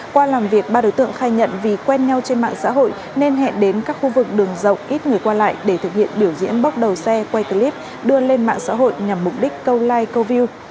qua làm việc ba đối tượng khai nhận vì quen nhau trên mạng xã hội nên hẹn đến các khu vực đường rộng ít người qua lại để thực hiện biểu diễn bóc đầu xe quay clip đưa lên mạng xã hội nhằm mục đích câu like câu view